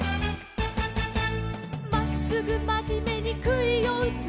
「まっすぐまじめにくいをうつ」